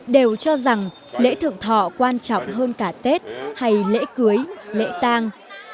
đều cho rằng lễ thượng thọ quan trọng hơn cả tết hay lễ cưới lễ tang